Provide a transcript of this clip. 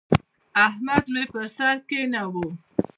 احمد مې پر سر کېناوو.